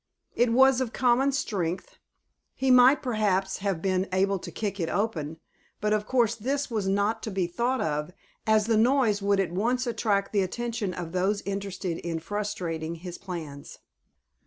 It was of common strength. He might, perhaps, have been able to kick it open, but of course this was not to be thought of, as the noise would at once attract the attention of those interested in frustrating his plans.